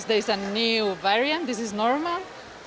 dan ya ada variasi baru ini normal